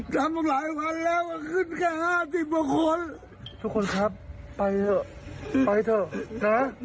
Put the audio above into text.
ทำมาหลายวันแล้วก็ขึ้นแค่ห้าสิบกว่าคนทุกคนครับไปเถอะไปเถอะนะ